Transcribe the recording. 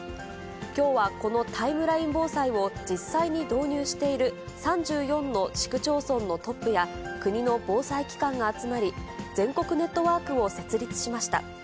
きょうはこのタイムライン防災を実際に導入している３４の市区町村のトップや、国の防災機関が集まり、全国ネットワークを設立しました。